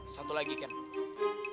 satu lagi ken